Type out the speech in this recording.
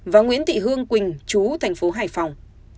và nguyễn thị hương quỳnh chú thành phố hải phòng